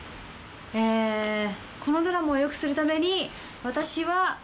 ええ「このドラマをよくするために私は」